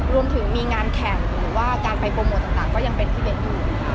รวมถึงมีงานแข่งหรือว่าการไปโปรโมทต่างก็ยังเป็นพี่เบ้นอยู่